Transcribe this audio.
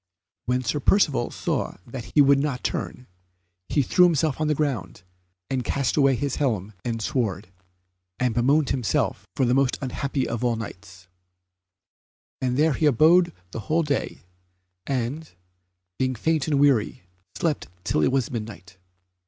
When Sir Percivale saw that he would not turn, he threw himself on the ground, and cast away his helm and sword, and bemoaned himself for the most unhappy of all Knights; and there he abode the whole day, and, being faint and weary, slept till it was midnight.